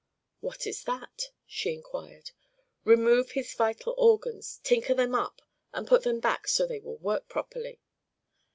"What is that?" she inquired. "Remove his vital organs, tinker them up and put them back so they will work properly."